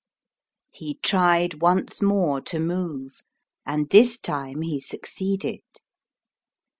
He tried once more to move, and this time he succeeded.